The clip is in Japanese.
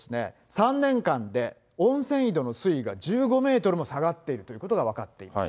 ３年間で温泉井戸の水位が１５メートルも下がっているということが分かっています。